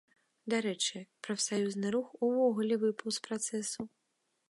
Дарэчы, прафсаюзны рух увогуле выпаў з працэсу.